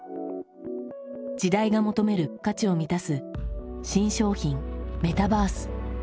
時代が求める価値を満たす新商品メタバース。